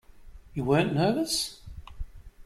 You weren't nervous?